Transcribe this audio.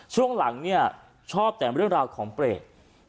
ช่วงหลังชอบแต่เรื่องเรื่องของเปรต